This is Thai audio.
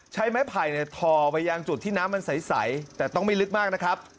ใช้ไม้ไผ่ทอไปยังจุดที่น้ำมันใสแต่ต้องไม่ลึกมากนะครับ